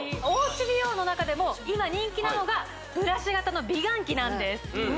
おうち美容の中でも今人気なのがブラシ型の美顔器なんです